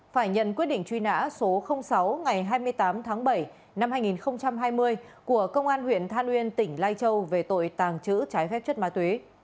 phải nhận quyết định truy nã số sáu ngày hai mươi tám tháng bảy năm hai nghìn hai mươi của công an huyện than uyên tỉnh lai châu về tội tàng trữ trái phép chất ma túy